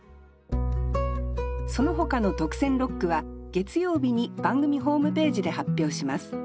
そのほかの特選六句は月曜日に番組ホームページで発表します。